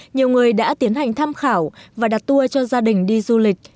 nhiều người đã tiến hành tham khảo và đặt tour cho gia đình đi du lịch